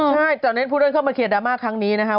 ใช่ตอนนี้พูดเรื่องเข้ามาเคลียร์ดราม่าครั้งนี้นะฮะ